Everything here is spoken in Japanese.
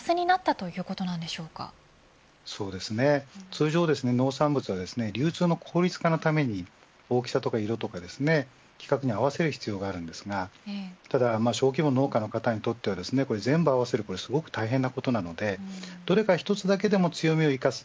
通常、農産物は流通の効率化のために大きさや色を規格に合わせる必要がありますがただ小規模の農家の方にとっては全部を合わせるとすごく大変なことなのでどれか一つだけでも強みを生かす